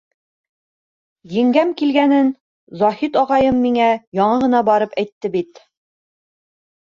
Еңгәм килгәнен Заһит ағайым миңә яңы ғына барып әйтте бит.